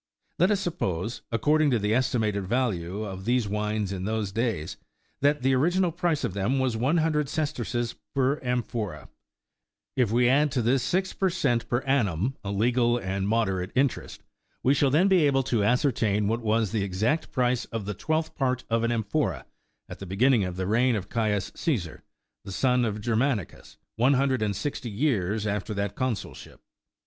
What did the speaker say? Let us suppose, according to the estimated value of these wines in those days, that the original price of them was one hundred sesterces per amphora : if we add to this six per cent, per annum, a legal and moderate interest, we shall then be able to ascertain what was the exact price of the twelfth part of an amphora at the beginning of the reign of Caius Ca9sar, the son of Germanicus, one hundred and sixty years after that consulship.